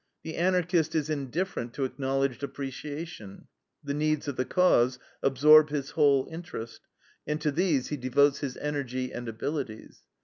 The Anarchist is indifferent to acknowledged appreciation; the needs of the Cause absorb his whole interest, and to these he devotes his energy and abilities.